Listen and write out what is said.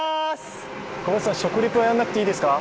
小林さん、食リポやらなくていいですか？